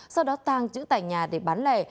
sau đó tàng trữ tại nhà để bán lẻ